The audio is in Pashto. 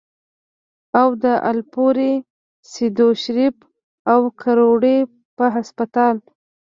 او د الپورۍ ، سېدو شريف ، او کروړې پۀ هسپتال